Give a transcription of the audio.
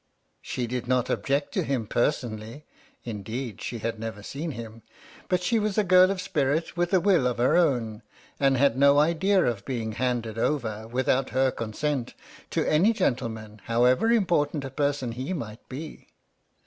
She did not object to him personally (indeed she had never seen him) but she was a girl of spirit with a will of her own, and had no idea of being handed over, without her consent, to any gentleman, however important a person he might be.